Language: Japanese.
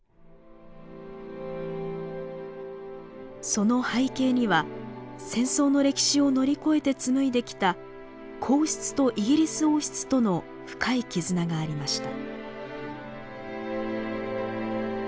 その背景には戦争の歴史を乗り越えて紡いできた皇室とイギリス王室との深い絆がありました。